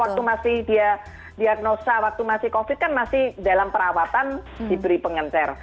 waktu masih dia diagnosa waktu masih covid kan masih dalam perawatan diberi pengencer